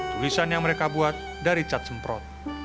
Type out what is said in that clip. tulisan yang mereka buat dari cat semprot